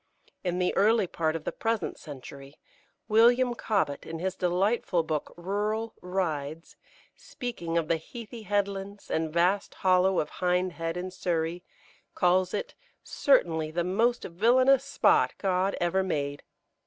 In the early part of the present century, William Cobbett, in his delightful book, "Rural Rides," speaking of the heathy headlands and vast hollow of Hindhead, in Surrey, calls it "certainly the most villainous spot God ever made."